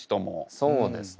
そうですね。